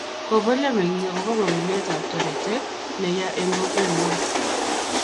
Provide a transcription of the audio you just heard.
kobolyo meng'ik akobo konunetab torite ne ya eng' kokweng'wang'